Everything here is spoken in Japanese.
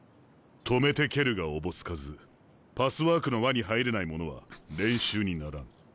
止めて蹴るがおぼつかずパスワークの輪に入れない者は練習にならん。